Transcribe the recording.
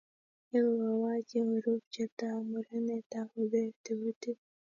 ye kokowo Haji korub chepto ak murenet ak kobe tebutik.